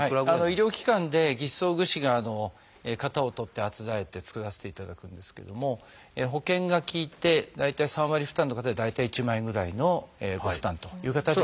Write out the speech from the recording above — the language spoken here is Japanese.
医療機関で義肢装具士が型を取ってあつらえて作らせていただくんですけども保険が利いて大体３割負担の方で大体１万円ぐらいのご負担という形に。